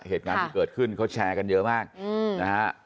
เหตุการณ์ที่เกิดขึ้นเขาแชร์กันเยอะมากนะฮะ